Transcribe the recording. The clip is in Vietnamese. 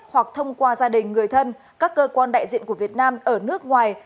hoặc thông qua gia đình người thân các cơ quan đại diện của việt nam ở nước ngoài